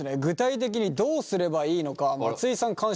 具体的にどうすればいいのか松井さん